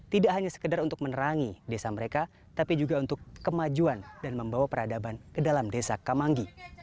tidak hanya sekedar untuk menerangi desa mereka tapi juga untuk kemajuan dan membawa peradaban ke dalam desa kamanggi